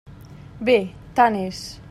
Bé, tant és.